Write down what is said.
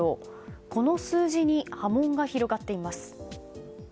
この数字に波紋が広がっています。